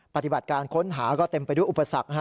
ปฏิบัติการค้นหาก็เต็มไปด้วยอุปสรรค